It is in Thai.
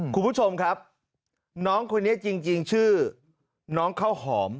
คุณผู้ชมครับน้องคนนี้จริงชื่อน้องข้าวหอม